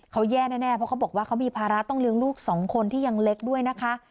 เขาแย่แน่เพราะเขาบอกว่าเขามีภาระต้องเลี้ยงลูกสองคนที่ยังเล็กด้วยนะคะ